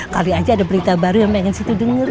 kali aja ada berita baru yang pengen situ denger